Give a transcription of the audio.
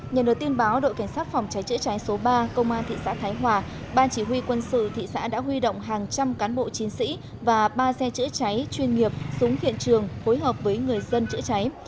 nhờ được tin báo đội cảnh sát phòng cháy chữa cháy số ba công an thị xã thái hòa ban chỉ huy quân sự thị xã đã huy động hàng trăm cán bộ chiến sĩ và ba xe chữa cháy chuyên nghiệp xuống hiện trường phối hợp với người dân chữa cháy